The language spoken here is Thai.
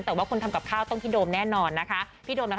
แต่ว่าคนทำกับข้าวต้องพี่โดมแน่นอนนะคะพี่โดมนะคะ